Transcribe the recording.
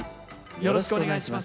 よろしくお願いします。